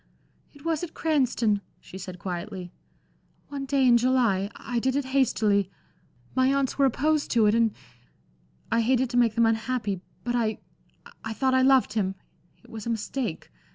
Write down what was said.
"It was at Cranston," she said, quietly, "one day in July. I did it hastily. My aunts were opposed to it, and I hated to make them unhappy. But I I thought I loved him. It was a mistake.